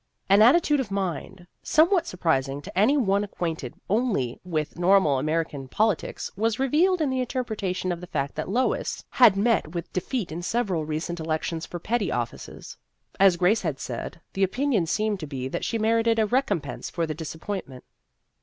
An attitude of mind, somewhat surprising to any one ac quainted only with normal American poli tics, was revealed in the interpretation of the fact that Lois had met with defeat in several recent elections for petty offices. As Grace had said, the opinion seemed to be that she merited a recompense for the disappointment.